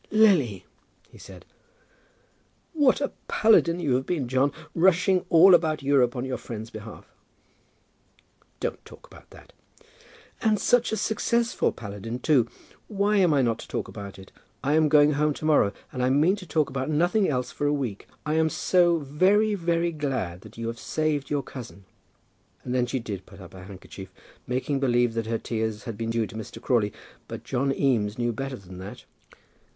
"Lily!" he said. "What a paladin you have been, John, rushing all about Europe on your friend's behalf!" "Don't talk about that." "And such a successful paladin too! Why am I not to talk about it? I am going home to morrow, and I mean to talk about nothing else for a week. I am so very, very, very glad that you have saved your cousin." Then she did put up her handkerchief, making believe that her tears had been due to Mr. Crawley. But John Eames knew better than that.